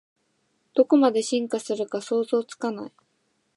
どこまで進化するか想像つかない